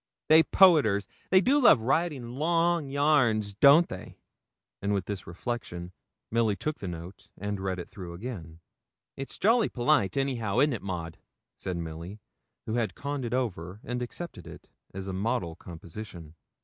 They poeters, they do love writing long yarns don't they?' And with this reflection, Milly took the note and read it through again. 'It's jolly polite anyhow, isn't it Maud?' said Milly, who had conned it over, and accepted it as a model composition.